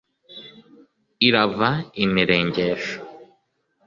irava imiregesho